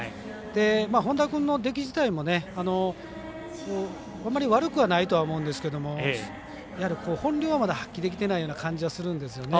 本田君の出来自体もあんまり悪くはないと思うんですけども本領はまだ発揮できてないような感じがするんですよね。